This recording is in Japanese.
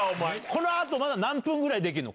このあとまだ何分ぐらいできるの？